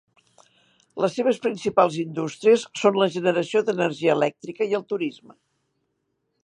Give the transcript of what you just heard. Les seves principals indústries són la generació d'energia elèctrica i el turisme.